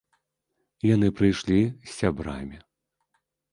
Яны прыйшлі з сябрамі.